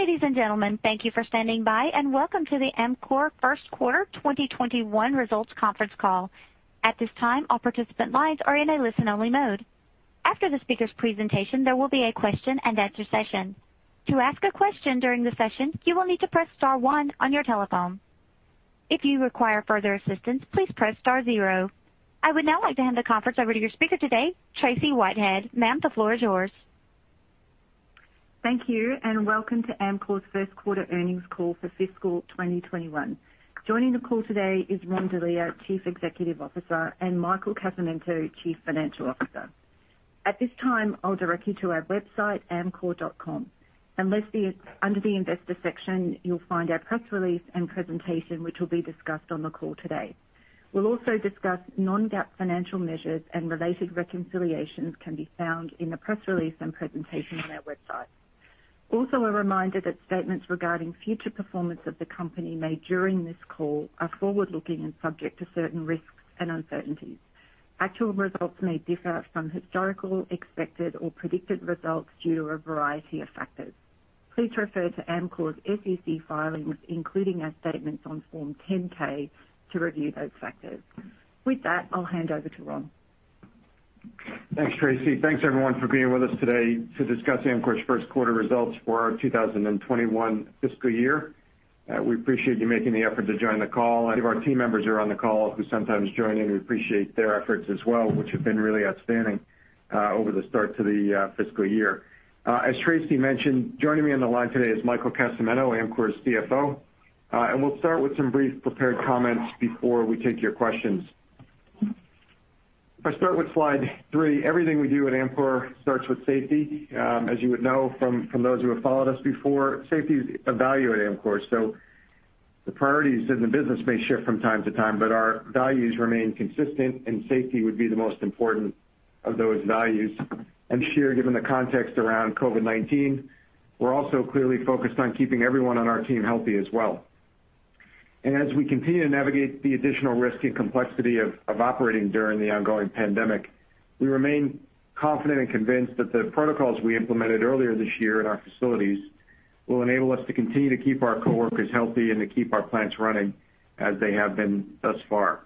Ladies and gentlemen, thank you for standing by, and welcome to the Amcor first quarter 2021 results conference call. At this time, all participant lines are in a listen-only mode. After the speaker's presentation, there will be a Q&A session. To ask a question during the session, you will need to press star one on your telephone. If you require further assistance, please press star zero. I would now like to hand the conference over to your speaker today, Tracey Whitehead. Ma'am, the floor is yours. Thank you, welcome to Amcor's first quarter earnings call for fiscal 2021. Joining the call today is Ron Delia, Chief Executive Officer, and Michael Casamento, Chief Financial Officer. At this time, I'll direct you to our website, amcor.com. Under the Investor section, you'll find our press release and presentation, which will be discussed on the call today. We'll also discuss non-GAAP financial measures and related reconciliations can be found in the press release and presentation on our website. A reminder that statements regarding future performance of the company made during this call are forward-looking and subject to certain risks and uncertainties. Actual results may differ from historical, expected, or predicted results due to a variety of factors. Please refer to Amcor's SEC filings, including our statements on Form 10-K to review those factors. With that, I'll hand over to Ron. Thanks, Tracey. Thanks, everyone, for being with us today to discuss Amcor's first quarter results for our 2021 fiscal year. We appreciate you making the effort to join the call. Many of our team members are on the call who sometimes join in. We appreciate their efforts as well, which have been really outstanding over the start to the fiscal year. As Tracey mentioned, joining me on the line today is Michael Casamento, Amcor's CFO. We'll start with some brief prepared comments before we take your questions. If I start with Slide three, everything we do at Amcor starts with safety. As you would know from those who have followed us before, safety is a value at Amcor. The priorities in the business may shift from time to time, but our values remain consistent, and safety would be the most important of those values. This year, given the context around COVID-19, we're also clearly focused on keeping everyone on our team healthy as well. As we continue to navigate the additional risk and complexity of operating during the ongoing pandemic, we remain confident and convinced that the protocols we implemented earlier this year at our facilities will enable us to continue to keep our coworkers healthy and to keep our plants running as they have been thus far.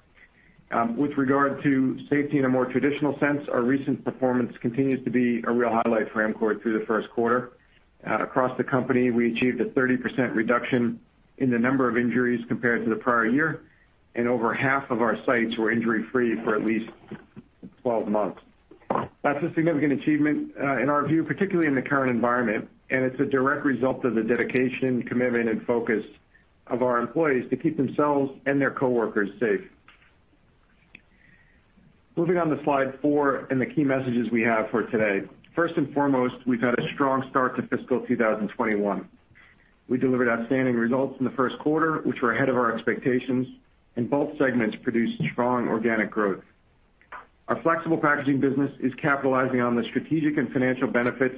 With regard to safety in a more traditional sense, our recent performance continues to be a real highlight for Amcor through the first quarter. Across the company, we achieved a 30% reduction in the number of injuries compared to the prior year, and over half of our sites were injury-free for at least 12 months. That's a significant achievement, in our view, particularly in the current environment, and it's a direct result of the dedication, commitment and focus of our employees to keep themselves and their coworkers safe. Moving on to Slide four and the key messages we have for today. First and foremost, we've had a strong start to fiscal 2021. We delivered outstanding results in the first quarter, which were ahead of our expectations, and both segments produced strong organic growth. Our Flexibles packaging business is capitalizing on the strategic and financial benefits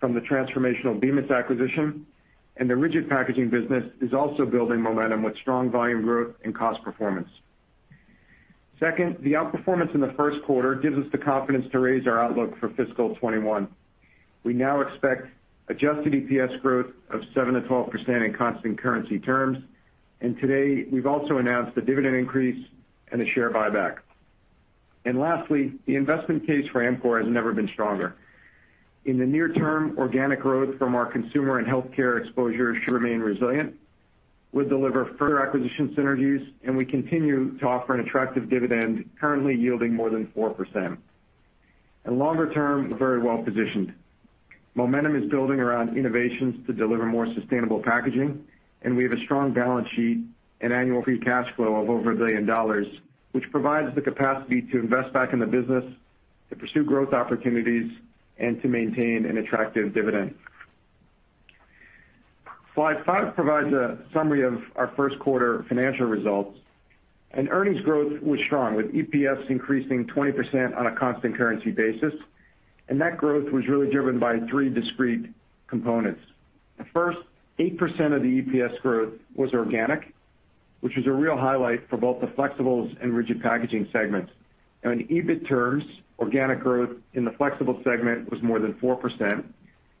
from the transformational Bemis acquisition, and the Rigid Packaging business is also building momentum with strong volume growth and cost performance. Second, the outperformance in the first quarter gives us the confidence to raise our outlook for fiscal 2021. We now expect adjusted EPS growth of 7%-12% in constant currency terms. Today, we've also announced a dividend increase and a share buyback. Lastly, the investment case for Amcor has never been stronger. In the near term, organic growth from our consumer and healthcare exposure should remain resilient. We'll deliver further acquisition synergies, and we continue to offer an attractive dividend, currently yielding more than 4%. Longer term, we're very well-positioned. Momentum is building around innovations to deliver more sustainable packaging, and we have a strong balance sheet and annual free cash flow of over $1 billion, which provides the capacity to invest back in the business, to pursue growth opportunities, and to maintain an attractive dividend. Slide five provides a summary of our first quarter financial results, and earnings growth was strong, with EPS increasing 20% on a constant currency basis. That growth was really driven by three discrete components. First, 8% of the EPS growth was organic, which was a real highlight for both the Flexibles and Rigid Packaging segments. In EBIT terms, organic growth in the Flexibles segment was more than 4%,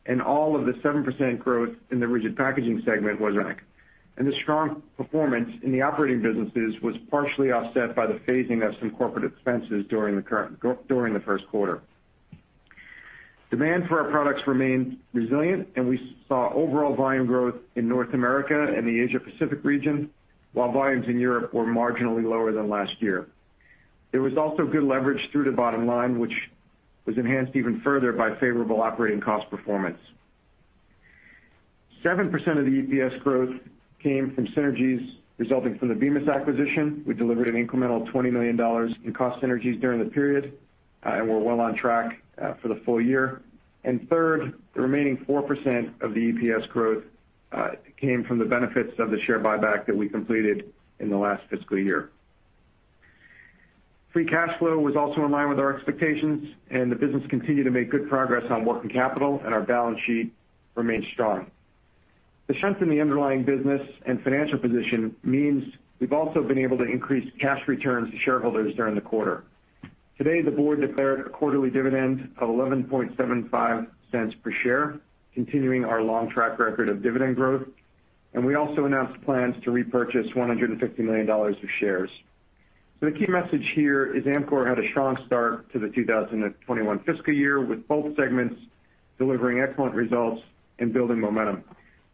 and all of the 7% growth in the Rigid Packaging segment was organic. The strong performance in the operating businesses was partially offset by the phasing of some corporate expenses during the first quarter. Demand for our products remained resilient, and we saw overall volume growth in North America and the Asia Pacific region, while volumes in Europe were marginally lower than last year. There was also good leverage through to bottom line, which was enhanced even further by favorable operating cost performance. 7% of the EPS growth came from synergies resulting from the Bemis acquisition. We delivered an incremental $20 million in cost synergies during the period, we're well on track for the full year. Third, the remaining 4% of the EPS growth came from the benefits of the share buyback that we completed in the last fiscal year. Free cash flow was also in line with our expectations, and the business continued to make good progress on working capital, and our balance sheet remained strong. The strength in the underlying business and financial position means we've also been able to increase cash returns to shareholders during the quarter. Today, the board declared a quarterly dividend of $0.1175 per share, continuing our long track record of dividend growth. We also announced plans to repurchase $150 million of shares. The key message here is Amcor had a strong start to the 2021 fiscal year, with both segments delivering excellent results and building momentum.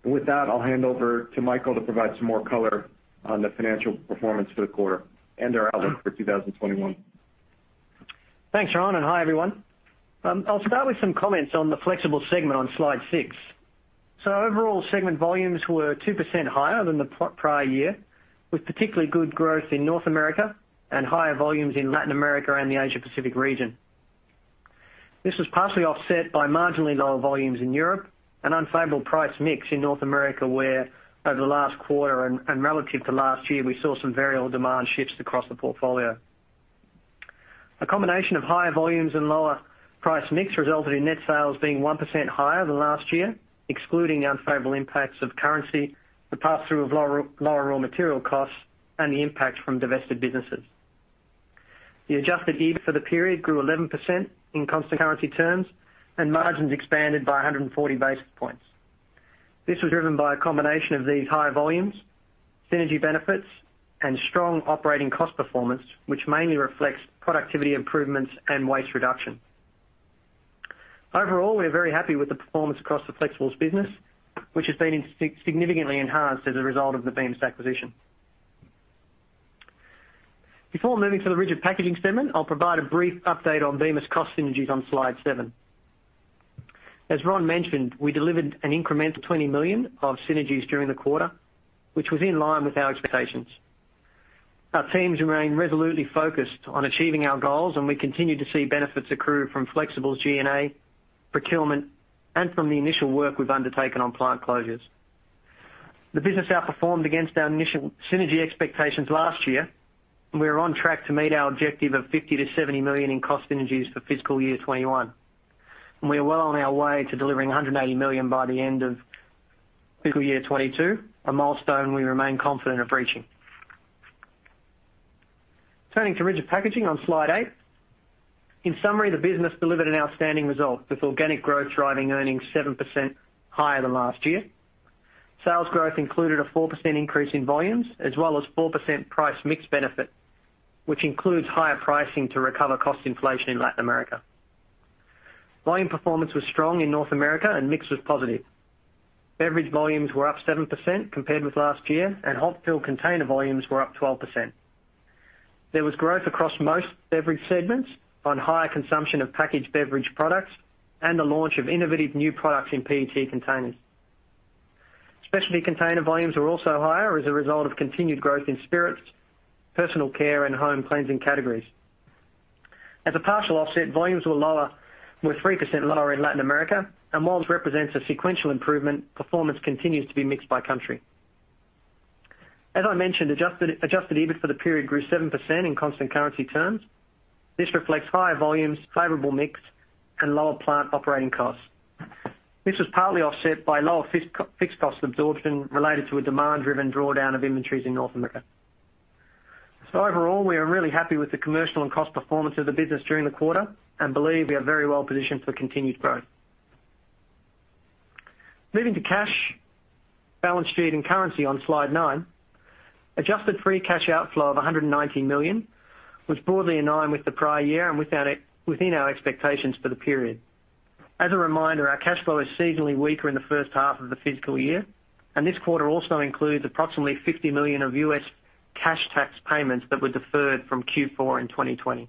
With that, I'll hand over to Michael to provide some more color on the financial performance for the quarter and our outlook for 2021. Thanks, Ron, and hi, everyone. I'll start with some comments on the Flexibles segment on Slide six. Overall segment volumes were 2% higher than the prior year, with particularly good growth in North America and higher volumes in Latin America and the Asia Pacific region. This was partially offset by marginally lower volumes in Europe and unfavorable price mix in North America, where over the last quarter and relative to last year, we saw some variable demand shifts across the portfolio. A combination of higher volumes and lower price mix resulted in net sales being 1% higher than last year, excluding unfavorable impacts of currency, the pass-through of lower raw material costs, and the impact from divested businesses. The adjusted EBIT for the period grew 11% in constant currency terms, and margins expanded by 140 basis points. This was driven by a combination of these higher volumes, synergy benefits, and strong operating cost performance, which mainly reflects productivity improvements and waste reduction. Overall, we are very happy with the performance across the Flexibles business, which has been significantly enhanced as a result of the Bemis acquisition. Before moving to the Rigid Packaging segment, I'll provide a brief update on Bemis cost synergies on Slide seven. As Ron mentioned, we delivered an incremental $20 million of synergies during the quarter, which was in line with our expectations. Our teams remain resolutely focused on achieving our goals. We continue to see benefits accrue from Flexibles G&A, procurement, and from the initial work we've undertaken on plant closures. The business outperformed against our initial synergy expectations last year. We are on track to meet our objective of $50 million-$70 million in cost synergies for fiscal year 2021. We are well on our way to delivering $180 million by the end of fiscal year 2022, a milestone we remain confident of reaching. Turning to Rigid Packaging on Slide eight. In summary, the business delivered an outstanding result, with organic growth driving earnings 7% higher than last year. Sales growth included a 4% increase in volumes, as well as 4% price mix benefit, which includes higher pricing to recover cost inflation in Latin America. Volume performance was strong in North America and mix was positive. Beverage volumes were up 7% compared with last year, and hot-fill container volumes were up 12%. There was growth across most beverage segments on higher consumption of packaged beverage products and the launch of innovative new products in PET containers. Specialty container volumes were also higher as a result of continued growth in spirits, personal care, and home cleansing categories. As a partial offset, volumes were 3% lower in Latin America. While this represents a sequential improvement, performance continues to be mixed by country. As I mentioned, adjusted EBIT for the period grew 7% in constant currency terms. This reflects higher volumes, favorable mix, and lower plant operating costs. This was partly offset by lower fixed cost absorption related to a demand-driven drawdown of inventories in North America. Overall, we are really happy with the commercial and cost performance of the business during the quarter and believe we are very well positioned for continued growth. Moving to cash, balance sheet, and currency on Slide nine. Adjusted free cash outflow of $190 million was broadly in line with the prior year and within our expectations for the period. As a reminder, our cash flow is seasonally weaker in the first half of the fiscal year, and this quarter also includes approximately $50 million of U.S. cash tax payments that were deferred from Q4 2020.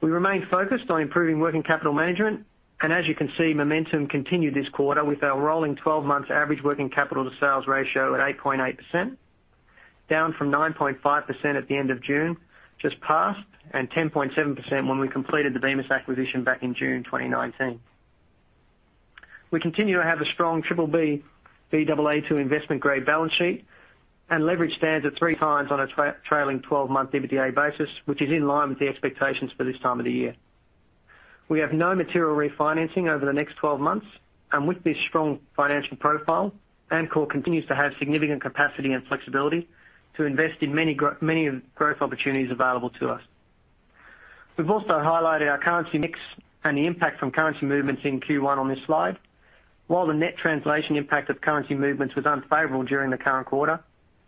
We remain focused on improving working capital management, and as you can see, momentum continued this quarter with our rolling 12 months average working capital to sales ratio at 8.8%, down from 9.5% at the end of June just passed and 10.7% when we completed the Bemis acquisition back in June 2019. We continue to have a strong BBB/Baa2 investment-grade balance sheet and leverage stands at 3x on a trailing 12-month EBITDA basis, which is in line with the expectations for this time of the year. We have no material refinancing over the next 12 months. With this strong financial profile, Amcor continues to have significant capacity and flexibility to invest in many growth opportunities available to us. We've also highlighted our currency mix and the impact from currency movements in Q1 on this slide. While the net translation impact of currency movements was unfavorable during the current quarter,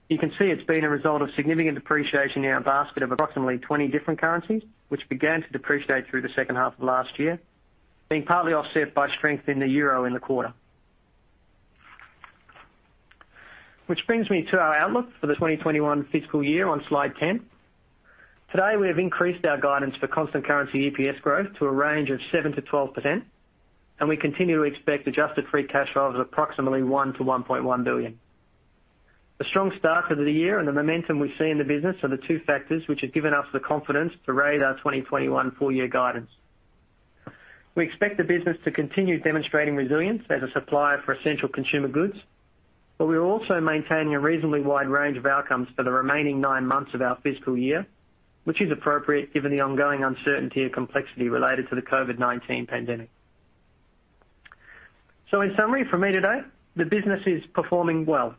you can see it's been a result of significant depreciation in our basket of approximately 20 different currencies, which began to depreciate through the second half of last year, being partly offset by strength in the euro in the quarter. Which brings me to our outlook for the 2021 fiscal year on Slide 10. Today, we have increased our guidance for constant currency EPS growth to a range of 7%-12%, and we continue to expect adjusted free cash flow of approximately $1 billion-$1.1 billion. The strong start to the year and the momentum we see in the business are the two factors which have given us the confidence to raise our 2021 full-year guidance. We expect the business to continue demonstrating resilience as a supplier for essential consumer goods, but we are also maintaining a reasonably wide range of outcomes for the remaining nine months of our fiscal year, which is appropriate given the ongoing uncertainty and complexity related to the COVID-19 pandemic. In summary, for me today, the business is performing well.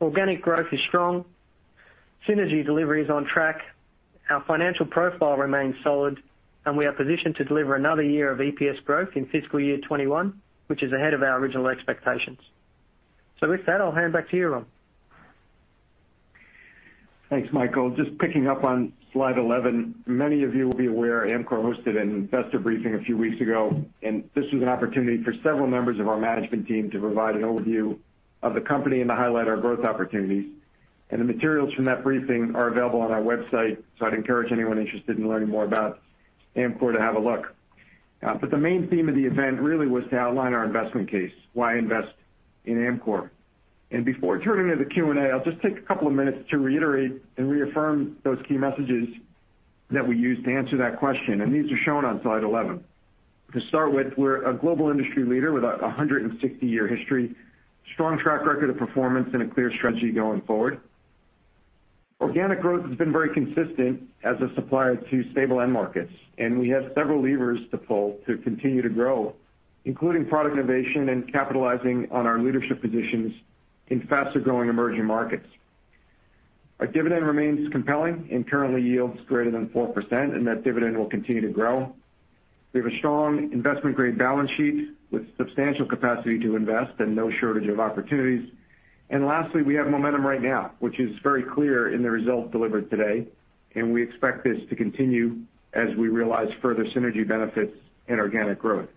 Organic growth is strong. Synergy delivery is on track. Our financial profile remains solid, and we are positioned to deliver another year of EPS growth in fiscal year 2021, which is ahead of our original expectations. With that, I'll hand back to you, Ron. Thanks, Michael. Just picking up on Slide 11. Many of you will be aware, Amcor hosted an investor briefing a few weeks ago. This was an opportunity for several members of our management team to provide an overview of the company and to highlight our growth opportunities. The materials from that briefing are available on our website. I'd encourage anyone interested in learning more about Amcor to have a look. The main theme of the event really was to outline our investment case, why invest in Amcor? Before turning to the Q&A, I'll just take a couple of minutes to reiterate and reaffirm those key messages that we use to answer that question. These are shown on Slide 11. To start with, we're a global industry leader with a 160-year history, strong track record of performance, and a clear strategy going forward. Organic growth has been very consistent as a supplier to stable end markets. We have several levers to pull to continue to grow, including product innovation and capitalizing on our leadership positions in faster-growing emerging markets. Our dividend remains compelling and currently yields greater than 4%. That dividend will continue to grow. We have a strong investment-grade balance sheet with substantial capacity to invest and no shortage of opportunities. Lastly, we have momentum right now, which is very clear in the results delivered today. We expect this to continue as we realize further synergy benefits and organic growth.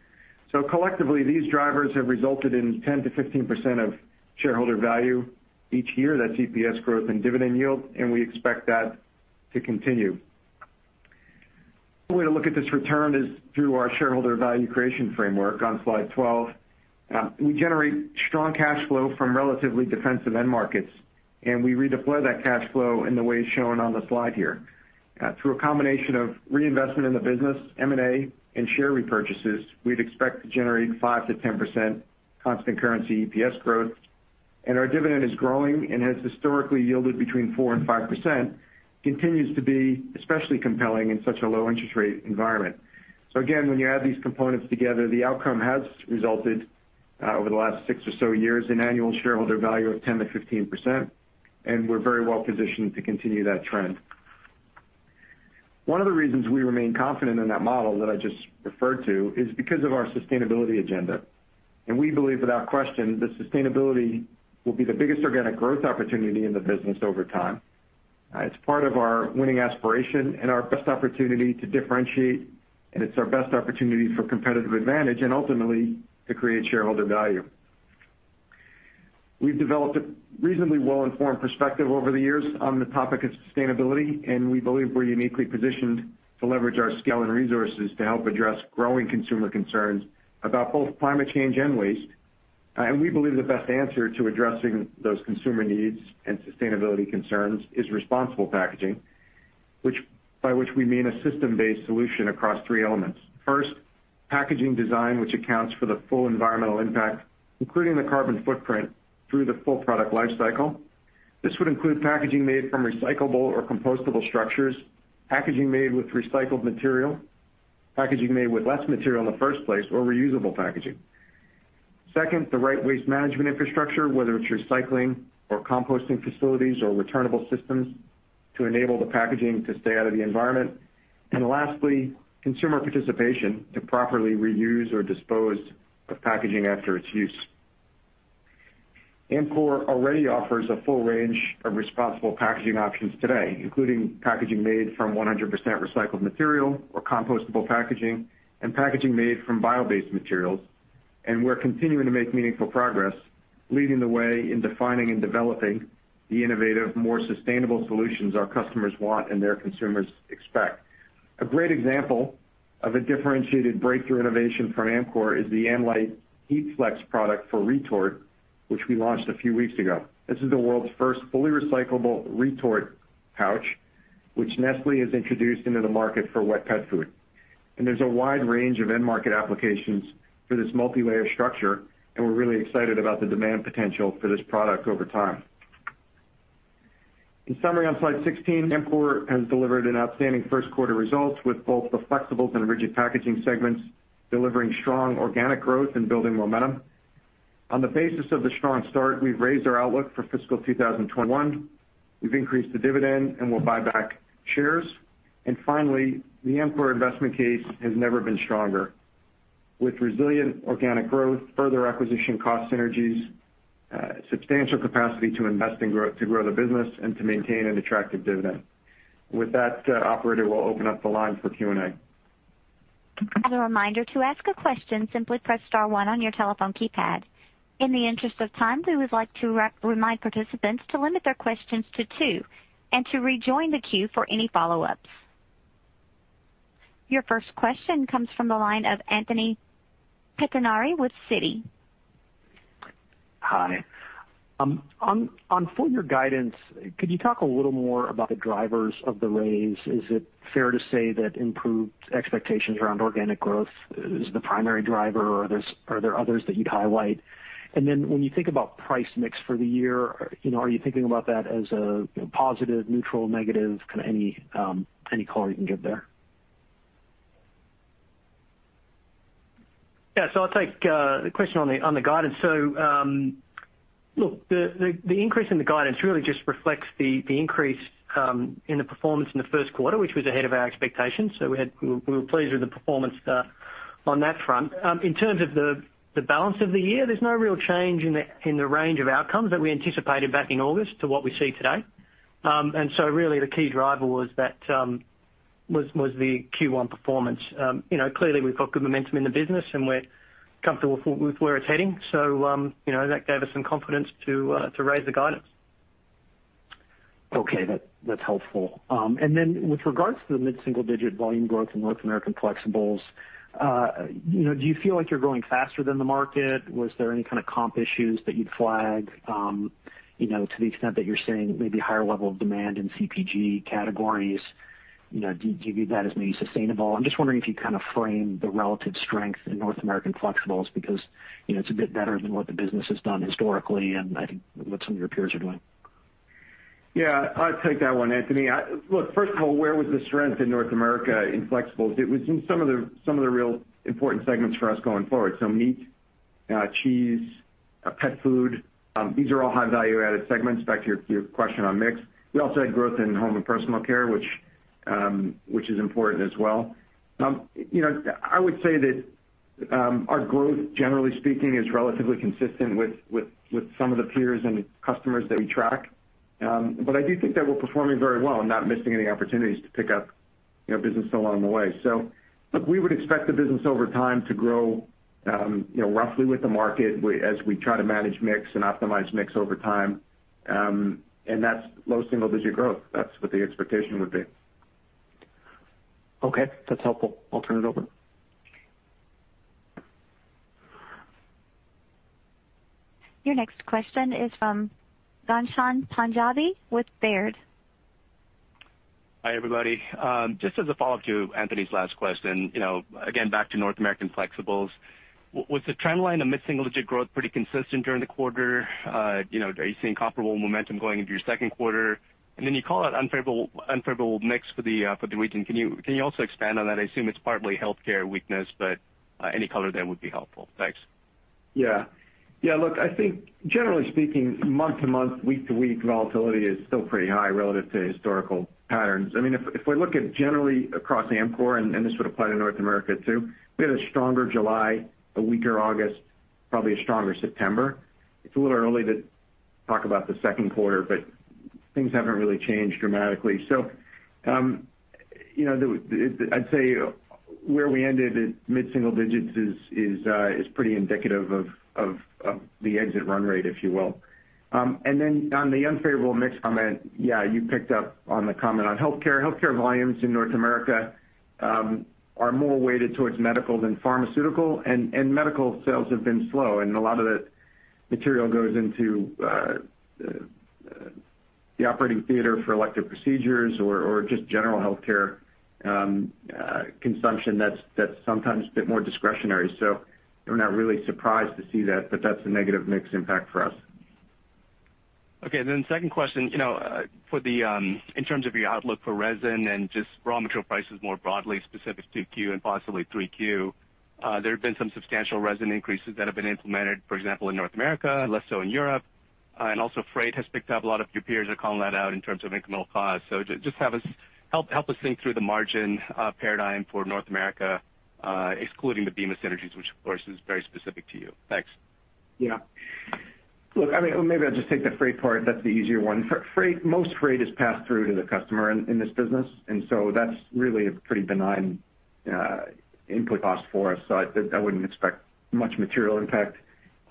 Collectively, these drivers have resulted in 10%-15% of shareholder value each year. That is EPS growth and dividend yield. We expect that to continue. One way to look at this return is through our shareholder value creation framework on Slide 12. We generate strong cash flow from relatively defensive end markets, and we redeploy that cash flow in the way shown on the slide here. Through a combination of reinvestment in the business, M&A and share repurchases, we'd expect to generate 5%-10% constant currency EPS growth. Our dividend is growing and has historically yielded between 4% and 5%, continues to be especially compelling in such a low interest rate environment. Again, when you add these components together, the outcome has resulted, over the last six or so years, in annual shareholder value of 10%-15%, and we're very well positioned to continue that trend. One of the reasons we remain confident in that model that I just referred to is because of our sustainability agenda. We believe, without question, that sustainability will be the biggest organic growth opportunity in the business over time. It's part of our winning aspiration and our best opportunity to differentiate, and it's our best opportunity for competitive advantage and ultimately to create shareholder value. We've developed a reasonably well-informed perspective over the years on the topic of sustainability, and we believe we're uniquely positioned to leverage our scale and resources to help address growing consumer concerns about both climate change and waste. We believe the best answer to addressing those consumer needs and sustainability concerns is responsible packaging, by which we mean a system-based solution across three elements. First, packaging design, which accounts for the full environmental impact, including the carbon footprint, through the full product life cycle. This would include packaging made from recyclable or compostable structures, packaging made with recycled material, packaging made with less material in the first place, or reusable packaging. Second, the right waste management infrastructure, whether it's recycling or composting facilities or returnable systems to enable the packaging to stay out of the environment. Lastly, consumer participation to properly reuse or dispose of packaging after its use. Amcor already offers a full range of responsible packaging options today, including packaging made from 100% recycled material or compostable packaging and packaging made from bio-based materials. We're continuing to make meaningful progress, leading the way in defining and developing the innovative, more sustainable solutions our customers want and their consumers expect. A great example of a differentiated breakthrough innovation from Amcor is the AmLite HeatFlex product for retort, which we launched a few weeks ago. This is the world's first fully recyclable retort pouch, which Nestlé has introduced into the market for wet pet food. There's a wide range of end market applications for this multi-layer structure, and we're really excited about the demand potential for this product over time. In summary, on Slide 16, Amcor has delivered an outstanding first quarter result, with both the Flexibles and Rigid Packaging segments delivering strong organic growth and building momentum. On the basis of the strong start, we've raised our outlook for fiscal 2021. We've increased the dividend, and we'll buy back shares. Finally, the Amcor investment case has never been stronger, with resilient organic growth, further acquisition cost synergies, substantial capacity to invest to grow the business, and to maintain an attractive dividend. With that, operator, we'll open up the line for Q&A. As a reminder, to ask a question, simply press star one on your telephone keypad. In the interest of time, we would like to remind participants to limit their questions to two and to rejoin the queue for any follow-ups. Your first question comes from the line of Anthony Pettinari with Citi. Hi. On full-year guidance, could you talk a little more about the drivers of the raise? Is it fair to say that improved expectations around organic growth is the primary driver, or are there others that you'd highlight? When you think about price mix for the year, are you thinking about that as a positive, neutral, negative? Kind of any color you can give there. Yeah. I'll take the question on the guidance. Look, the increase in the guidance really just reflects the increase in the performance in the first quarter, which was ahead of our expectations. We were pleased with the performance on that front. In terms of the balance of the year, there's no real change in the range of outcomes that we anticipated back in August to what we see today. Really the key driver was the Q1 performance. Clearly, we've got good momentum in the business, and we're comfortable with where it's heading. That gave us some confidence to raise the guidance. Okay. That's helpful. Then with regards to the mid-single digit volume growth in North American Flexibles, do you feel like you're growing faster than the market? Was there any kind of comp issues that you'd flag, to the extent that you're seeing maybe higher level of demand in CPG categories? Do you view that as maybe sustainable? I'm just wondering if you kind of frame the relative strength in North American Flexibles because, it's a bit better than what the business has done historically and I think what some of your peers are doing. Yeah. I'll take that one, Anthony. Look, first of all, where was the strength in North America in Flexibles? It was in some of the real important segments for us going forward. Meat, cheese, pet food. These are all high value-added segments, back to your question on mix. We also had growth in home and personal care, which is important as well. I would say that our growth, generally speaking, is relatively consistent with some of the peers and customers that we track. I do think that we're performing very well and not missing any opportunities to pick up business along the way. Look, we would expect the business over time to grow roughly with the market as we try to manage mix and optimize mix over time. That's low single-digit growth. That's what the expectation would be. Okay. That's helpful. I'll turn it over. Your next question is from Ghansham Panjabi with Baird. Hi, everybody. Just as a follow-up to Anthony's last question, again, back to North American Flexibles. Was the trend line of mid-single digit growth pretty consistent during the quarter? Are you seeing comparable momentum going into your second quarter? You call it unfavorable mix for the region. Can you also expand on that? I assume it's partly healthcare weakness, any color there would be helpful. Thanks. Yeah. Look, I think generally speaking, month-to-month, week-to-week volatility is still pretty high relative to historical patterns. If we look at generally across Amcor, and this would apply to North America too, we had a stronger July, a weaker August, probably a stronger September. It's a little early to talk about the second quarter, things haven't really changed dramatically. I'd say where we ended at mid-single digits is pretty indicative of the exit run rate, if you will. On the unfavorable mix comment, yeah, you picked up on the comment on healthcare. Healthcare volumes in North America are more weighted towards medical than pharmaceutical, and medical sales have been slow, and a lot of that material goes into the operating theater for elective procedures or just general healthcare consumption that's sometimes a bit more discretionary. We're not really surprised to see that, but that's a negative mix impact for us. Okay. Second question. In terms of your outlook for resin and just raw material prices more broadly, specific 2Q and possibly 3Q. There have been some substantial resin increases that have been implemented, for example, in North America, less so in Europe. Also freight has picked up. A lot of your peers are calling that out in terms of incremental cost. Just help us think through the margin paradigm for North America, excluding the Bemis synergies, which of course is very specific to you. Thanks. Look, maybe I'll just take the freight part. That's the easier one. Most freight is passed through to the customer in this business, that's really a pretty benign input cost for us. I wouldn't expect much material impact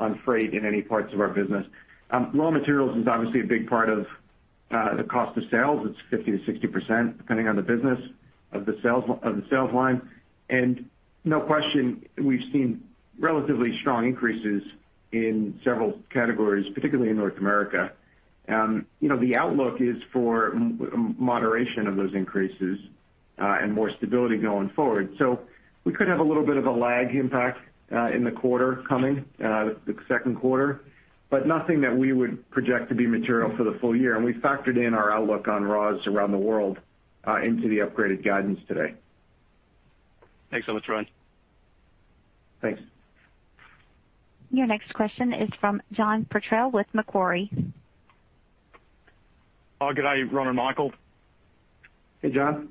on freight in any parts of our business. Raw materials is obviously a big part of the cost of sales. It's 50%-60%, depending on the business of the sales line. No question, we've seen relatively strong increases in several categories, particularly in North America. The outlook is for moderation of those increases, and more stability going forward. We could have a little bit of a lag impact in the quarter coming, the second quarter, but nothing that we would project to be material for the full year. We factored in our outlook on raws around the world into the upgraded guidance today. Thanks so much, Ron. Thanks. Your next question is from John Purtell with Macquarie. Oh, good day, Ron and Michael. Hey, John.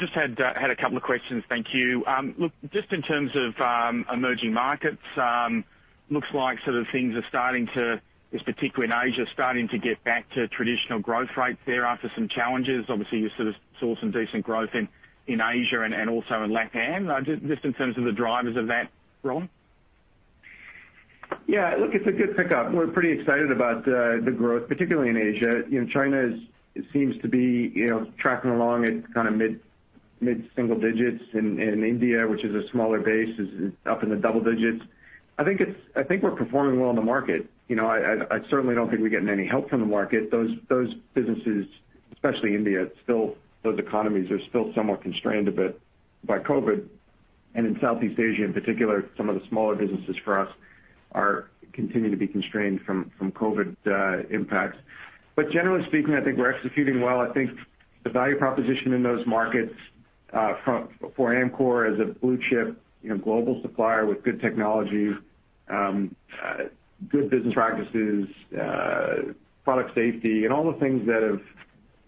Just had a couple of questions. Thank you. Look, just in terms of emerging markets, looks like sort of things are starting to, at least particularly in Asia, starting to get back to traditional growth rates there after some challenges. Obviously, you sort of saw some decent growth in Asia and also in LatAm. Just in terms of the drivers of that, Ron? Yeah, look, it's a good pickup. We're pretty excited about the growth, particularly in Asia. China seems to be tracking along at kind of mid-single digits. India, which is a smaller base, is up in the double digits. I think we're performing well in the market. I certainly don't think we're getting any help from the market. Those businesses, especially India, those economies are still somewhat constrained a bit by COVID. In Southeast Asia in particular, some of the smaller businesses for us continue to be constrained from COVID impacts. Generally speaking, I think we're executing well. I think the value proposition in those markets for Amcor as a blue-chip global supplier with good technology, good business practices, product safety, and all the things that have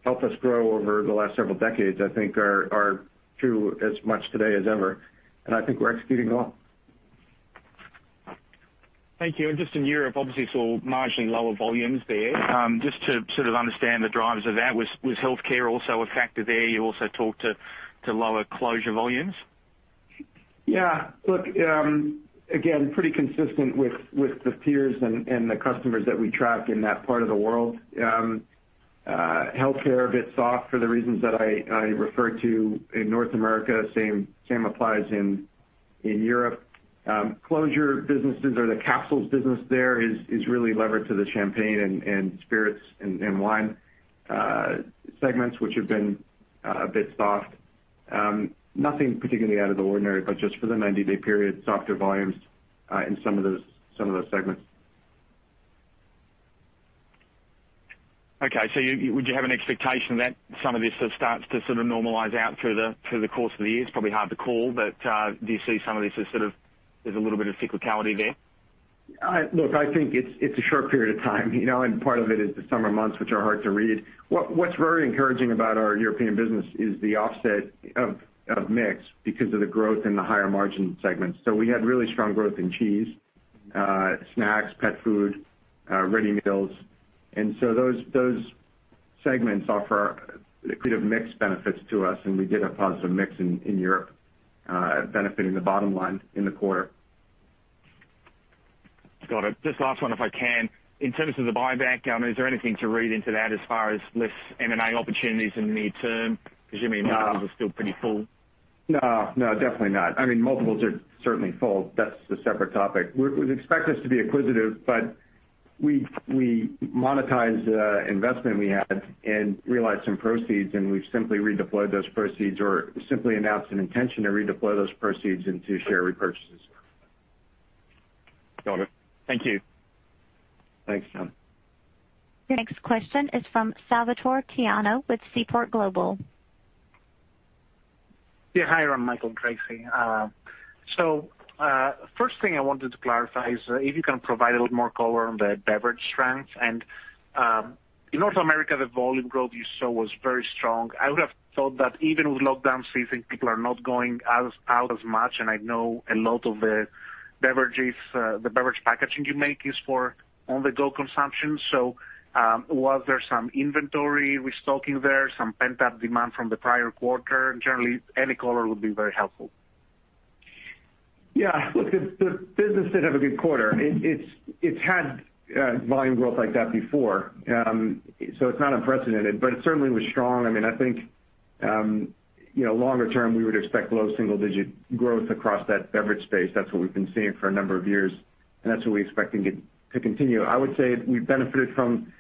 helped us grow over the last several decades, I think are true as much today as ever. I think we're executing well. Thank you. Just in Europe, obviously, saw marginally lower volumes there. Just to sort of understand the drivers of that, was healthcare also a factor there? You also talked to lower closure volumes. Yeah. Look, again, pretty consistent with the peers and the customers that we track in that part of the world. Healthcare, a bit soft for the reasons that I referred to in North America. Same applies in Europe. Closure businesses or the capsules business there is really levered to the champagne and spirits and wine segments, which have been a bit soft. Nothing particularly out of the ordinary, but just for the 90-day period, softer volumes in some of those segments. Okay. Would you have an expectation that some of this starts to sort of normalize out through the course of the year? It's probably hard to call, but do you see some of this as sort of, there's a little bit of cyclicality there? Look, I think it's a short period of time, and part of it is the summer months, which are hard to read. What's very encouraging about our European business is the offset of mix because of the growth in the higher margin segments. So we had really strong growth in cheese, snacks, pet food, ready meals. Those segments offer creative mix benefits to us, and we did have positive mix in Europe benefiting the bottom line in the quarter. Got it. Just last one if I can. In terms of the buyback, is there anything to read into that as far as less M&A opportunities in the near term? Assuming multiples are still pretty full. No, definitely not. Multiples are certainly full. That's a separate topic. We expect us to be acquisitive, but we monetized the investment we had and realized some proceeds, and we've simply redeployed those proceeds or simply announced an intention to redeploy those proceeds into share repurchases. Got it. Thank you. Thanks, John. Your next question is from Salvator Tiano with Seaport Global. Yeah. Hi, Ron, Michael, Tracey. First thing I wanted to clarify is if you can provide a little more color on the beverage strength. In North America, the volume growth you saw was very strong. I would have thought that even with lockdown season, people are not going out as much, and I know a lot of the beverage packaging you make is for on-the-go consumption. Was there some inventory restocking there, some pent-up demand from the prior quarter? Generally, any color would be very helpful. Look, the business did have a good quarter. It's had volume growth like that before. It's not unprecedented, but it certainly was strong. I think, longer term, we would expect low single-digit growth across that beverage space. That's what we've been seeing for a number of years, and that's what we expect to continue. I would say we benefited from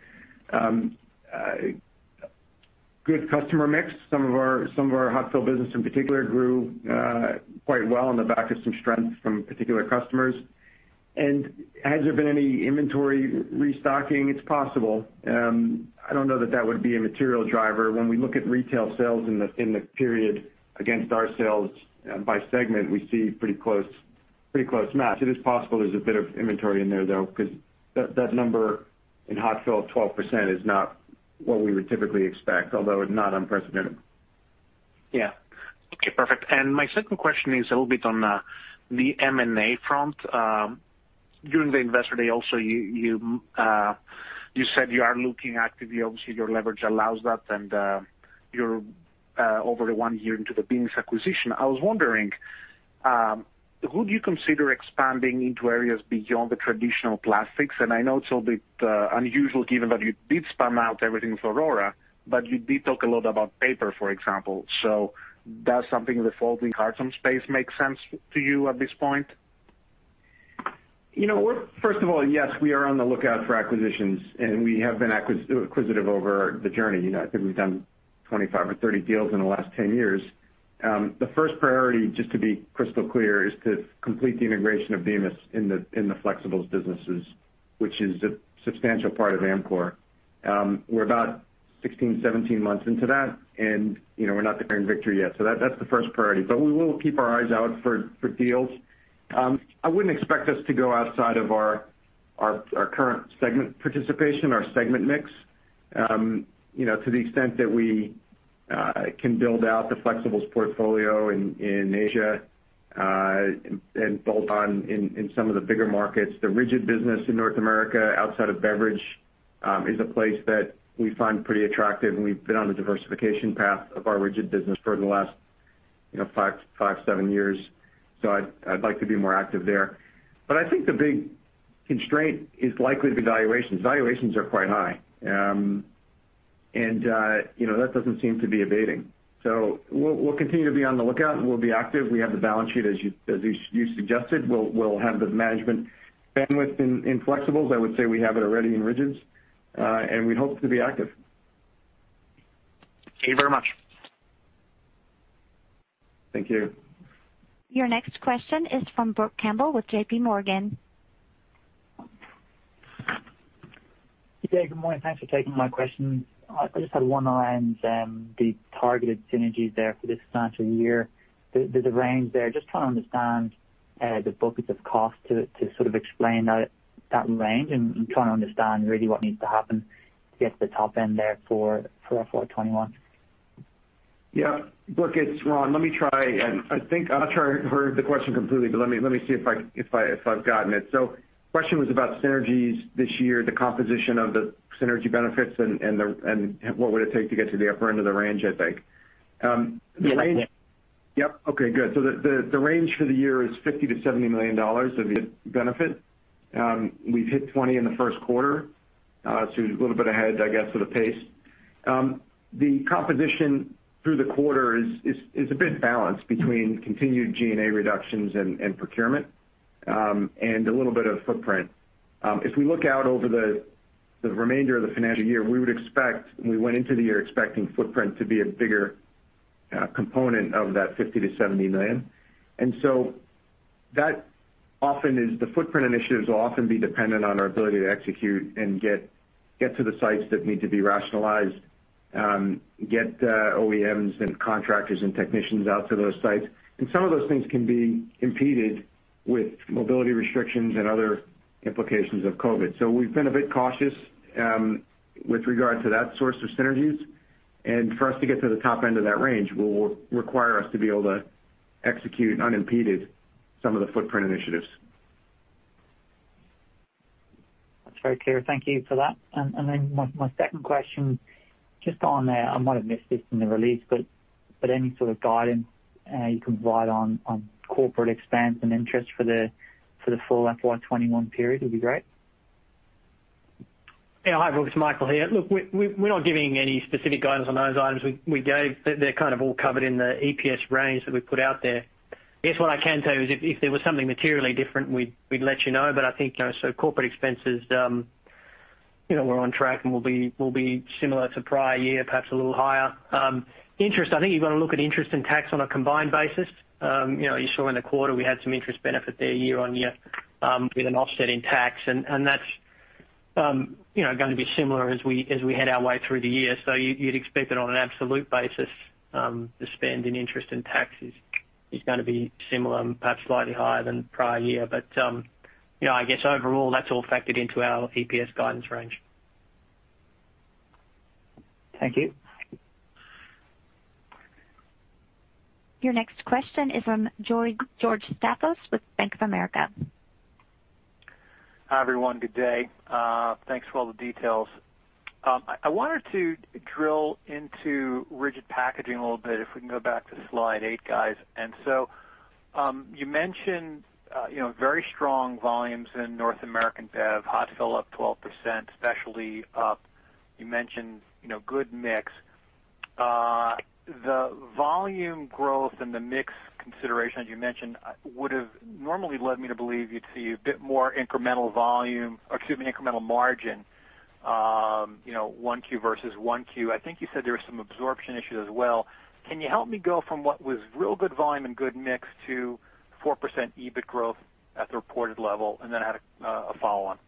good customer mix. Some of our hot-fill business in particular grew quite well on the back of some strength from particular customers. Has there been any inventory restocking? It's possible. I don't know that that would be a material driver. When we look at retail sales in the period against our sales by segment, we see a pretty close match. It is possible there's a bit of inventory in there, though, because that number in hot fill of 12% is not what we would typically expect, although it's not unprecedented. Yeah. Okay, perfect. My second question is a little bit on the M&A front. During the investor day also, you said you are looking actively. Obviously, your leverage allows that, and you're over one year into the Bemis acquisition. I was wondering, who do you consider expanding into areas beyond the traditional plastics? I know it's a bit unusual given that you did spun out everything with Orora, but you did talk a lot about paper, for example. Does something in the folding carton space make sense to you at this point? First of all, yes, we are on the lookout for acquisitions, and we have been acquisitive over the journey. I think we've done 25 or 30 deals in the last 10 years. The first priority, just to be crystal clear, is to complete the integration of Bemis in the Flexibles businesses, which is a substantial part of Amcor. We're about 16, 17 months into that, and we're not declaring victory yet. That's the first priority, but we will keep our eyes out for deals. I wouldn't expect us to go outside of our current segment participation, our segment mix. To the extent that we can build out the Flexibles portfolio in Asia, and bolt-on in some of the bigger markets. The Rigid business in North America outside of beverage, is a place that we find pretty attractive, and we've been on the diversification path of our Rigid business for the last five, seven years. I'd like to be more active there. I think the big constraint is likely the valuations. Valuations are quite high. That doesn't seem to be abating. We'll continue to be on the lookout, and we'll be active. We have the balance sheet as you suggested. We'll have the management bandwidth in Flexibles. I would say we have it already in Rigids. We hope to be active. Thank you very much. Thank you. Your next question is from Brook Campbell with JPMorgan. Good day. Good morning. Thanks for taking my question. I just had one around the targeted synergies there for this financial year. There's a range there. Just trying to understand the buckets of cost to sort of explain that range and trying to understand really what needs to happen to get to the top end there for our FY 2021. Yeah. Brook, it's Ron. Let me try. I think I'll try to heard the question completely, but let me see if I've gotten it. The question was about synergies this year, the composition of the synergy benefits, and what would it take to get to the upper end of the range, I think. Yes. Yep. Okay, good. The range for the year is $50 million-$70 million of benefit. We've hit $20 million in the first quarter, we're a little bit ahead, I guess, of the pace. The composition through the quarter is a bit balanced between continued G&A reductions and procurement, and a little bit of footprint. If we look out over the remainder of the financial year, we went into the year expecting footprint to be a bigger component of that $50 million-$70 million. The footprint initiatives will often be dependent on our ability to execute and get to the sites that need to be rationalized, get OEMs and contractors and technicians out to those sites. Some of those things can be impeded with mobility restrictions and other implications of COVID-19. We've been a bit cautious with regard to that source of synergies. For us to get to the top end of that range will require us to be able to execute unimpeded some of the footprint initiatives. That's very clear. Thank you for that. My second question, just on there, I might have missed this in the release, but any sort of guidance you can provide on corporate expense and interest for the full FY 2021 period would be great. Hi, Brook. It's Michael here. We're not giving any specific guidance on those items. They're kind of all covered in the EPS range that we put out there. I guess what I can tell you is if there was something materially different, we'd let you know. I think corporate expenses, we're on track and will be similar to prior year, perhaps a little higher. Interest, I think you've got to look at interest and tax on a combined basis. You saw in the quarter we had some interest benefit there year-on-year with an offset in tax. That's going to be similar as we head our way through the year. You'd expect that on an absolute basis the spend in interest and taxes is going to be similar and perhaps slightly higher than prior year. I guess overall, that's all factored into our EPS guidance range. Thank you. Your next question is from George Staphos with Bank of America. Hi, everyone. Good day. Thanks for all the details. I wanted to drill into Rigid Packaging a little bit, if we can go back to Slide eight, guys. You mentioned very strong volumes in North American bev, hot fill up 12%, specialty up. You mentioned good mix. The volume growth and the mix consideration, as you mentioned, would've normally led me to believe you'd see a bit more incremental volume, or excuse me, incremental margin, 1Q versus 1Q. I think you said there was some absorption issues as well. Can you help me go from what was real good volume and good mix to 4% EBIT growth at the reported level? I had a follow-on.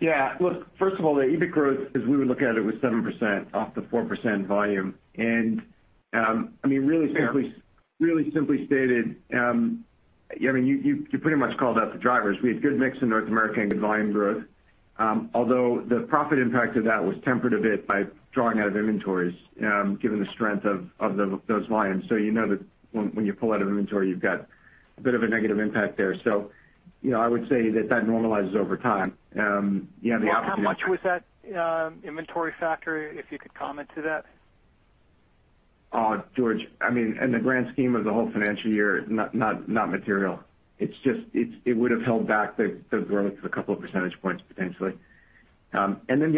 Yeah. Look, first of all, the EBIT growth as we would look at it was 7% off the 4% volume. Really simply stated, you pretty much called out the drivers. We had good mix in North America and good volume growth. Although the profit impact of that was tempered a bit by drawing out of inventories given the strength of those volumes. You know that when you pull out of inventory, you've got a bit of a negative impact there. I would say that normalizes over time. You have the option. How much was that inventory factor, if you could comment to that? George, in the grand scheme of the whole financial year, not material. It would've held back the growth a couple of percentage points potentially. You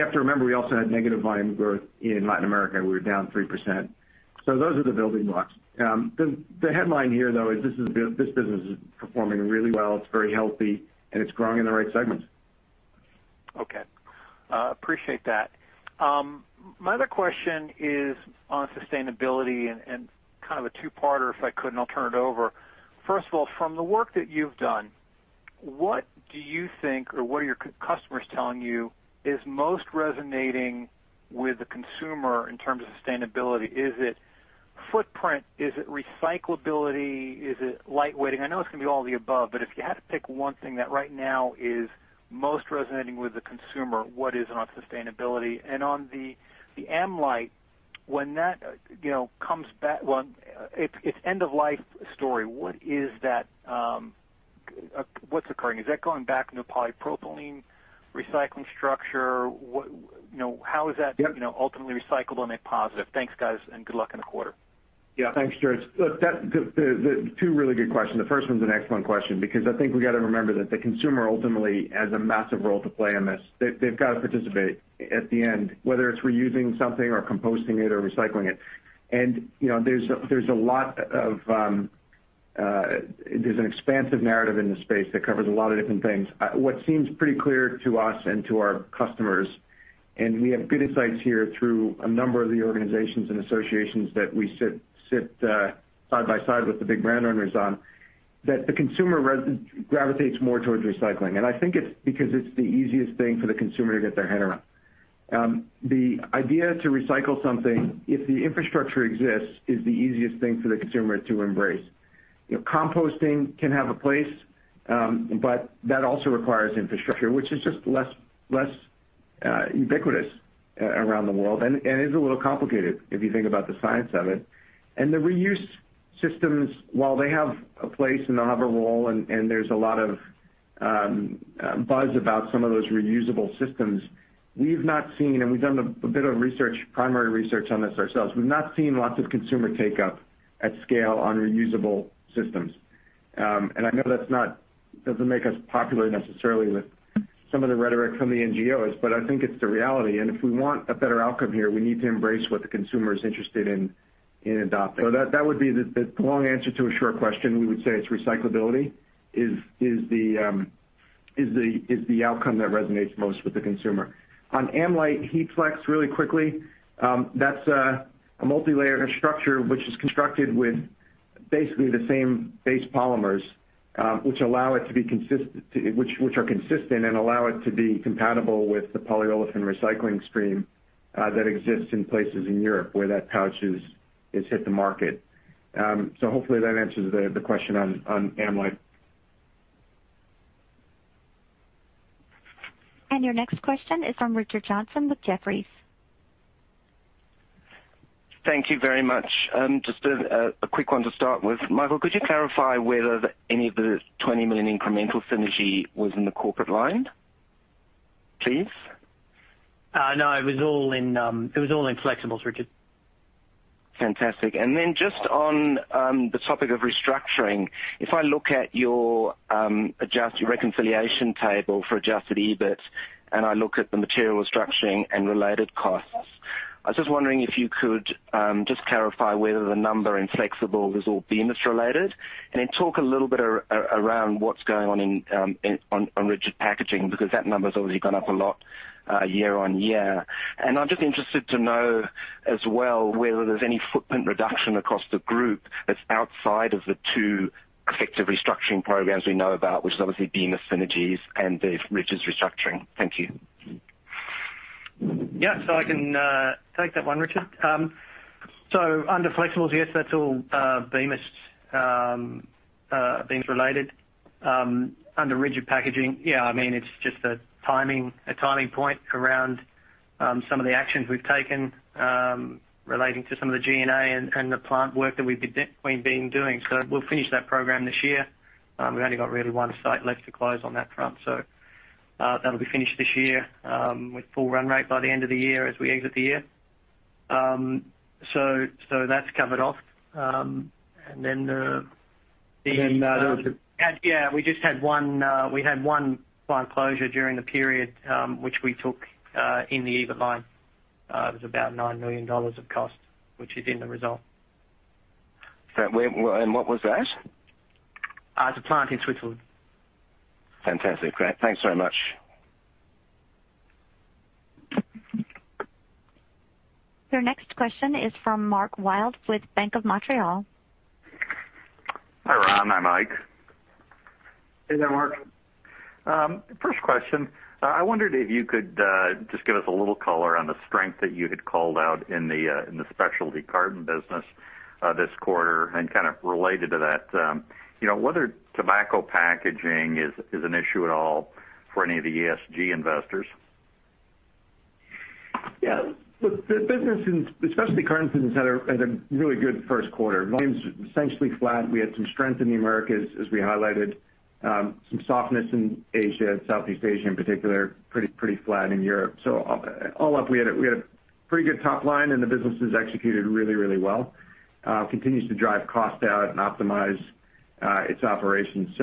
have to remember, we also had negative volume growth in Latin America. We were down 3%. Those are the building blocks. The headline here, though, is this business is performing really well. It's very healthy, and it's growing in the right segments. Okay. Appreciate that. My other question is on sustainability and kind of a two-parter, if I could, and I'll turn it over. First of all, from the work that you've done, what do you think, or what are your customers telling you is most resonating with the consumer in terms of sustainability? Is it footprint? Is it recyclability? Is it light weighting? I know it's going to be all of the above, but if you had to pick one thing that right now is most resonating with the consumer, what is it on sustainability? On the AmLite, its end of life story, what's occurring? Is that going back into a polypropylene recycling structure? How is that ultimately recycled on a positive? Thanks, guys, and good luck in the quarter. Thanks, George. Look, two really good questions. The first one's an excellent question because I think we got to remember that the consumer ultimately has a massive role to play in this. They've got to participate at the end, whether it's reusing something or composting it or recycling it. There's an expansive narrative in the space that covers a lot of different things. What seems pretty clear to us and to our customers, and we have good insights here through a number of the organizations and associations that we sit side by side with the big brand owners on, that the consumer gravitates more towards recycling. I think it's because it's the easiest thing for the consumer to get their head around. The idea to recycle something, if the infrastructure exists, is the easiest thing for the consumer to embrace. Composting can have a place, but that also requires infrastructure, which is just less ubiquitous around the world and is a little complicated if you think about the science of it. The reuse systems, while they have a place and they'll have a role, there's a lot of buzz about some of those reusable systems, and we've done a bit of primary research on this ourselves, we've not seen lots of consumer take up at scale on reusable systems. I know that doesn't make us popular necessarily with some of the rhetoric from the NGOs, but I think it's the reality. If we want a better outcome here, we need to embrace what the consumer is interested in adopting. That would be the long answer to a short question. We would say it's recyclability is the outcome that resonates most with the consumer. On AmLite HeatFlex, really quickly, that's a multilayer structure, which is constructed with basically the same base polymers which are consistent and allow it to be compatible with the polyolefin recycling stream that exists in places in Europe where that pouch has hit the market. Hopefully that answers the question on AmLite. Your next question is from Richard Johnson with Jefferies. Thank you very much. Just a quick one to start with. Michael, could you clarify whether any of the $20 million incremental synergy was in the corporate line, please? No, it was all in Flexibles, Richard. Fantastic. Just on the topic of restructuring, if I look at your reconciliation table for adjusted EBIT, I look at the material restructuring and related costs, I was just wondering if you could just clarify whether the number in flexible was all Bemis-related. Then talk a little bit around what's going on on Rigid Packaging, because that number's obviously gone up a lot year-on-year. I'm just interested to know as well whether there's any footprint reduction across the group that's outside of the two effective restructuring programs we know about, which is obviously Bemis synergies and the Rigid's restructuring. Thank you. Yeah. I can take that one, Richard. Under Flexibles, yes, that's all Bemis-related. Under Rigid Packaging, yeah, it's just a timing point around some of the actions we've taken relating to some of the G&A and the plant work that we've been doing. We'll finish that program this year. We've only got really one site left to close on that front. That'll be finished this year with full run rate by the end of the year as we exit the year. That's covered off. We had one plant closure during the period, which we took in the EBIT line. It was about $9 million of cost, which is in the result. What was that? It's a plant in Switzerland. Fantastic. Great. Thanks very much. Your next question is from Mark Wilde with Bank of Montreal. Hi, Ron. Hi, Mike. Hey there, Mark. First question, I wondered if you could just give us a little color on the strength that you had called out in the Specialty Cartons business this quarter, and kind of related to that, whether tobacco packaging is an issue at all for any of the ESG investors. Yeah. Look, the business in Specialty Cartons has had a really good first quarter. Volume's essentially flat. We had some strength in the Americas, as we highlighted. Some softness in Asia, Southeast Asia in particular. Pretty flat in Europe. All up, we had a pretty good top line, and the business has executed really well. Continues to drive cost out and optimize its operations.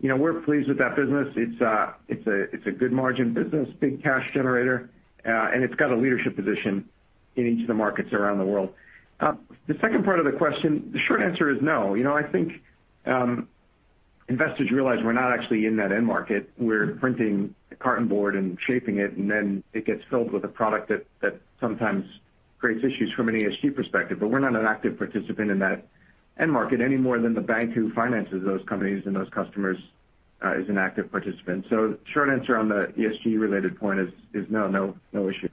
We're pleased with that business. It's a good margin business, big cash generator, and it's got a leadership position in each of the markets around the world. The second part of the question, the short answer is no. I think investors realize we're not actually in that end market. We're printing the carton board and shaping it, and then it gets filled with a product that sometimes creates issues from an ESG perspective. We're not an active participant in that end market any more than the bank who finances those companies and those customers is an active participant. Short answer on the ESG-related point is no. No issue.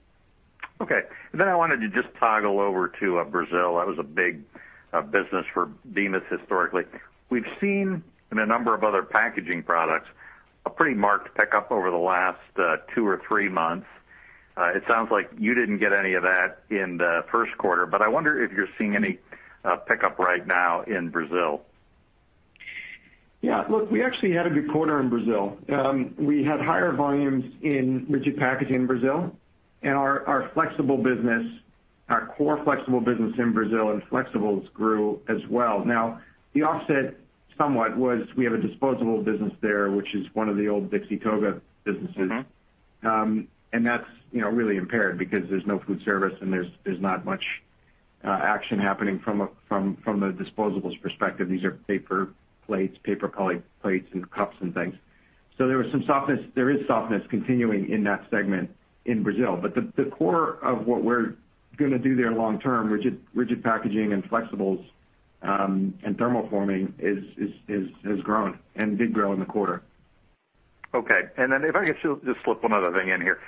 Okay. I wanted to just toggle over to Brazil. That was a big business for Bemis historically. We've seen in a number of other packaging products a pretty marked pickup over the last two or three months. It sounds like you didn't get any of that in the first quarter, but I wonder if you're seeing any pickup right now in Brazil. Look, we actually had a good quarter in Brazil. We had higher volumes in Rigid Packaging in Brazil, and our core flexible business in Brazil, in Flexibles grew as well. Now, the offset somewhat was we have a disposable business there, which is one of the old Dixie Toga businesses. That's really impaired because there's no food service and there's not much action happening from the disposables perspective. These are paper plates, and cups and things. There is softness continuing in that segment in Brazil. The core of what we're going to do there long term, Rigid Packaging and Flexibles, and thermoforming has grown and did grow in the quarter. Okay. If I could just slip one other thing in here.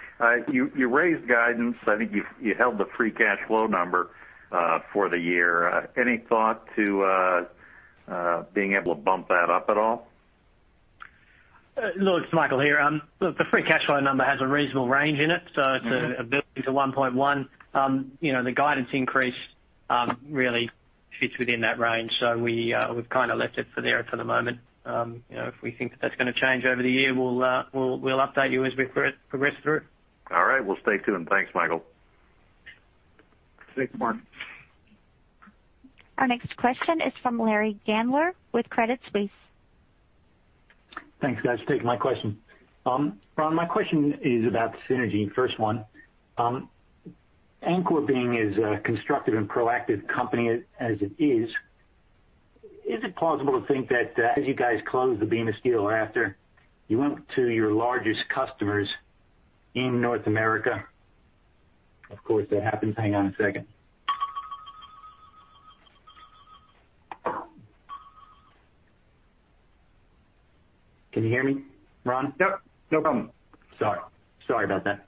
You raised guidance. I think you held the free cash flow number for the year. Any thought to being able to bump that up at all? Look, it's Michael here. Look, the free cash flow number has a reasonable range in it, $1 billion-$1.1 billion. The guidance increase really fits within that range. We've kind of left it for there for the moment. If we think that's going to change over the year, we'll update you as we progress through. All right. Will stay tuned. Thanks, Michael. Thanks, Mark. Our next question is from Larry Gandler with Credit Suisse. Thanks, guys. Taking my question. Ron, my question is about synergy. First one, Amcor being as a constructive and proactive company as it is it plausible to think that as you guys close the Bemis deal or after, you went to your largest customers in North America? Of course, that happens. Hang on a second. Can you hear me, Ron? Yep, no problem. Sorry. Sorry about that.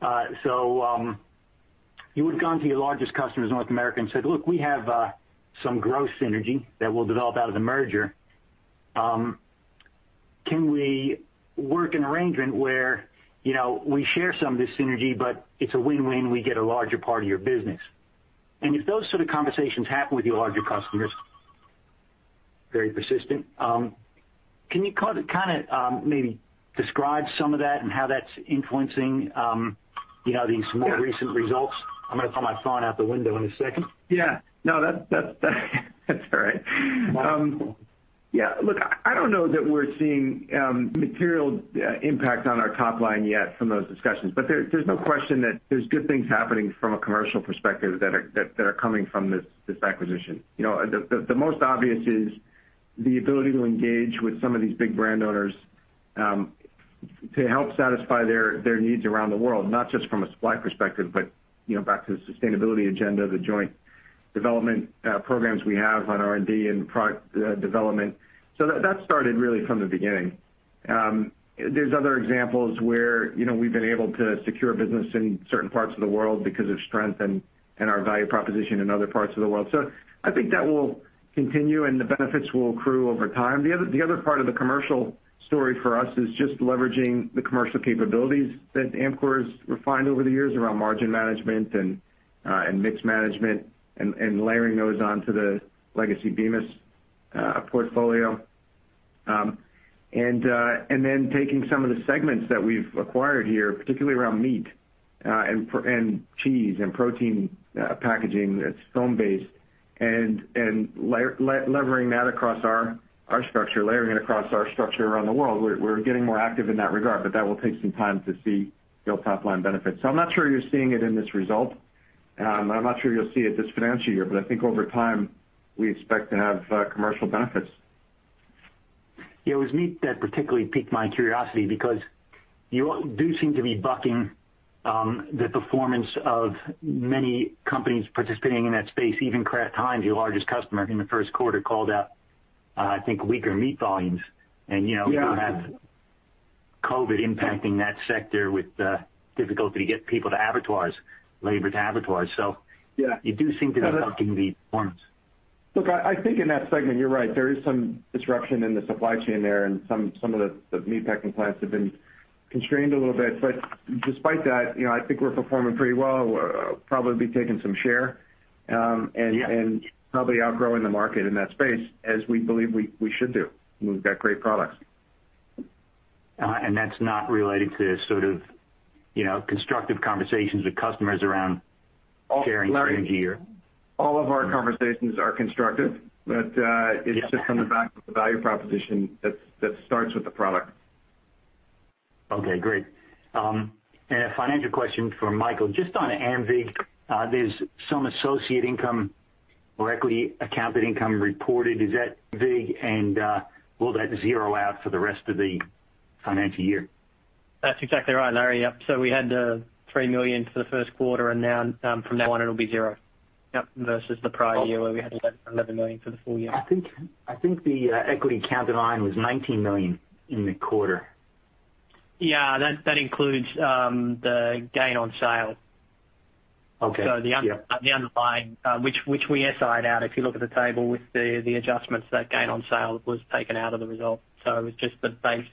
That's okay. You would've gone to your largest customers in North America and said, "Look, we have some growth synergy that we'll develop out of the merger. Can we work an arrangement where we share some of this synergy, but it's a win-win, we get a larger part of your business?" If those sort of conversations happen with your larger customers, very persistent, can you kind of maybe describe some of that and how that's influencing these more recent results? I'm going to throw my phone out the window in a second. Yeah. No, that's all right. Yeah, look, I don't know that we're seeing material impact on our top line yet from those discussions, but there's no question that there's good things happening from a commercial perspective that are coming from this acquisition. The most obvious is the ability to engage with some of these big brand owners, to help satisfy their needs around the world, not just from a supply perspective, but back to the sustainability agenda, the joint development programs we have on R&D and product development. That started really from the beginning. There's other examples where we've been able to secure business in certain parts of the world because of strength and our value proposition in other parts of the world. I think that will continue, and the benefits will accrue over time. The other part of the commercial story for us is just leveraging the commercial capabilities that Amcor's refined over the years around margin management and mix management and layering those onto the legacy Bemis portfolio. Then taking some of the segments that we've acquired here, particularly around meat and cheese and protein packaging that's foam-based, and levering that across our structure, layering it across our structure around the world. We're getting more active in that regard, but that will take some time to see real top-line benefits. I'm not sure you're seeing it in this result. I'm not sure you'll see it this financial year, but I think over time, we expect to have commercial benefits. Yeah. It was meat that particularly piqued my curiosity because you do seem to be bucking the performance of many companies participating in that space. Even Kraft Heinz, your largest customer in the first quarter, called out, I think, weaker meat volumes. You have COVID impacting that sector with difficulty to get people to abattoirs, labor to abattoirs. You do seem to be bucking the performance. Look, I think in that segment, you're right, there is some disruption in the supply chain there, and some of the meat packing plants have been constrained a little bit. Despite that, I think we're performing pretty well. Probably be taking some share and probably outgrowing the market in that space as we believe we should do. We've got great products. That's not related to sort of constructive conversations with customers around sharing synergy or. All of our conversations are constructive. It's just on the back of the value proposition that starts with the product. Okay, great. A financial question for Michael. Just on AMVIG, there's some associate income or equity accounted income reported. Is that AMVIG, and will that zero out for the rest of the financial year? That's exactly right, Larry. Yep. We had $3 million for the first quarter. Now from that one, it'll be zero. Yep. Versus the prior year where we had $11 million for the full year. I think the equity accounted line was $19 million in the quarter. Yeah, that includes the gain on sale which we SI'd out. If you look at the table with the adjustments, that gain on sale was taken out of the result. It was just the base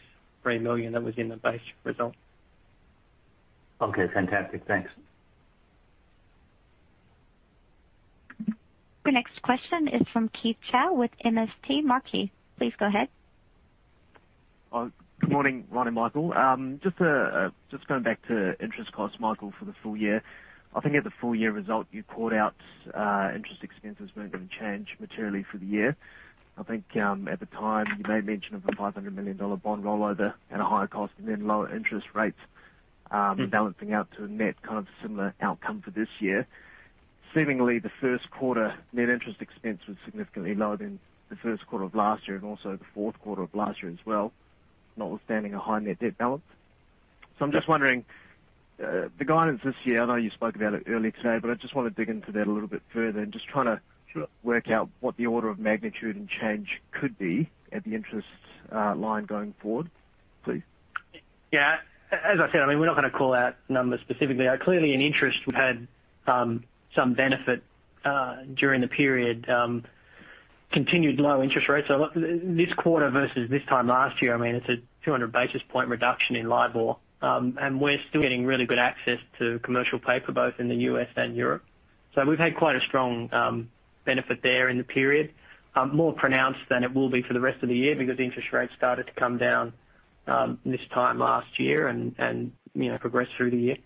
$3 million that was in the base result. Okay, fantastic. Thanks. The next question is from Keith Chau with MST Marquee. Please go ahead. Good morning, Ron and Michael. Just going back to interest cost, Michael, for the full year. I think at the full year result you called out interest expenses weren't going to change materially for the year. I think at the time you made mention of a $500 million bond rollover at a higher cost and then lower interest rates balancing out to a net, kind of a similar outcome for this year. Seemingly, the first quarter net interest expense was significantly lower than the first quarter of last year, and also the fourth quarter of last year as well, notwithstanding a high net debt balance. I'm just wondering, the guidance this year, I know you spoke about it earlier today, but I just want to dig into that a little bit further. Just trying to work out what the order of magnitude and change could be at the interest line going forward, please. Yeah. As I said, we're not going to call out numbers specifically. Clearly in interest, we've had some benefit during the period. Continued low interest rates this quarter versus this time last year. It's a 200 basis point reduction in LIBOR. We're still getting really good access to commercial paper, both in the U.S. and Europe. We've had quite a strong benefit there in the period. More pronounced than it will be for the rest of the year because interest rates started to come down this time last year and progress through the year.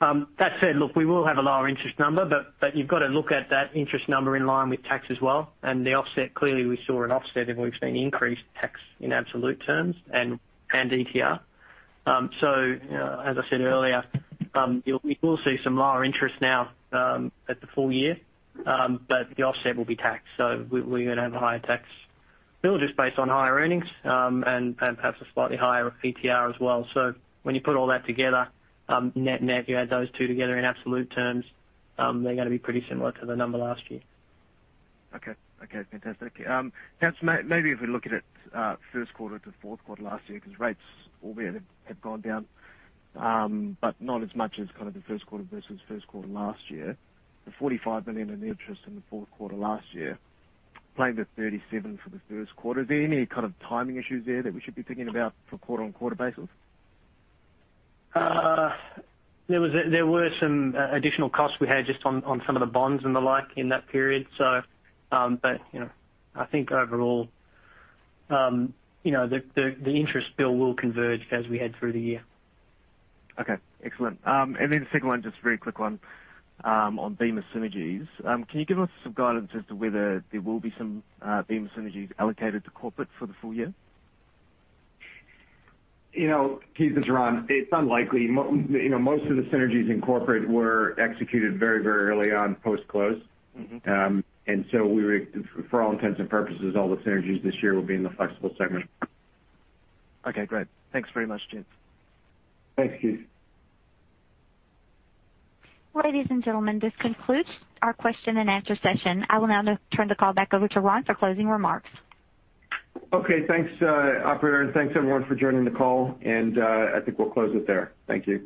That said, look, we will have a lower interest number. You've got to look at that interest number in line with tax as well. The offset, clearly we saw an offset and we've seen increased tax in absolute terms and ETR. As I said earlier, you will see some lower interest now at the full year. The offset will be taxed. We're going to have a higher tax bill just based on higher earnings, and perhaps a slightly higher ETR as well. When you put all that together, net-net, you add those two together in absolute terms, they're going to be pretty similar to the number last year. Okay. Fantastic. Perhaps maybe if we look at it first quarter to fourth quarter last year, because rates albeit have gone down, but not as much as the first quarter versus first quarter last year. The $45 million in the interest in the fourth quarter last year [playing] to $37 million for the first quarter. Is there any kind of timing issues there that we should be thinking about for quarter-on-quarter basis? There were some additional costs we had just on some of the bonds and the like in that period. I think overall, the interest bill will converge as we head through the year. Okay, excellent. The second one, just a very quick one on Bemis synergies. Can you give us some guidance as to whether there will be some Bemis synergies allocated to corporate for the full year? Keith, it's Ron. It's unlikely. Most of the synergies in corporate were executed very early on post-close. For all intents and purposes, all the synergies this year will be in the Flexibles segment. Okay, great. Thanks very much. Thanks, Keith. Ladies and gentlemen, this concludes our Q&A session. I will now turn the call back over to Ron for closing remarks. Okay, thanks operator and thanks everyone for joining the call and I think we'll close it there. Thank you.